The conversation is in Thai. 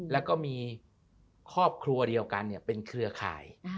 แล้วก็มีครอบครัวเดียวกันเป็นเครือข่าย